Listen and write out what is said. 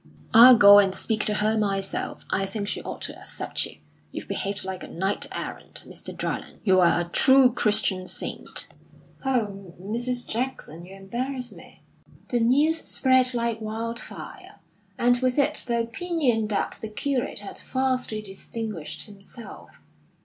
"I'll go and speak to her myself. I think she ought to accept you. You've behaved like a knight errant, Mr. Dryland. You're a true Christian saint." "Oh, Mrs. Jackson, you embarrass me!" The news spread like wild fire, and with it the opinion that the curate had vastly distinguished himself.